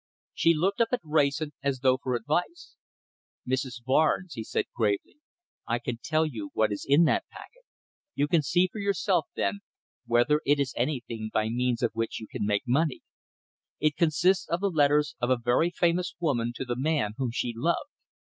She looked up at Wrayson as though for advice. "Mrs. Barnes," he said gravely, "I can tell you what is in that packet. You can see for yourself, then, whether it is anything by means of which you can make money. It consists of the letters of a very famous woman to the man whom she loved.